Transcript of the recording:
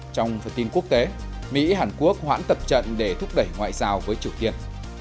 trong phần tin quốc tế mỹ hàn quốc hoãn tập trận để thúc đẩy ngoại giao với triều tiên